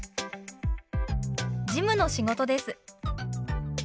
事務の仕事です。